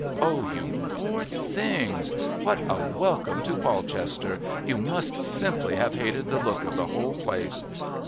"Oh, you poor things! What a welcome to Polchester! You must simply have hated the look of the whole place.